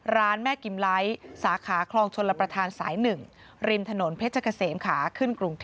ร้านแม่กิมไลท์สาขาคลองชนรับประทานสายหนึ่ง